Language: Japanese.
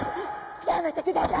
やめてください！